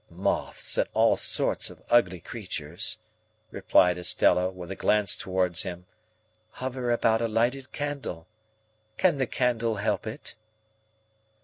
"Moths, and all sorts of ugly creatures," replied Estella, with a glance towards him, "hover about a lighted candle. Can the candle help it?"